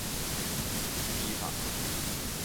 提防